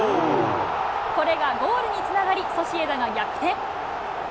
これがゴールにつながり、ソシエダが逆転。